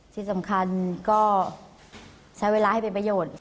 ที่สำคัญก็ใช้เวลาให้เป็นประโยชน์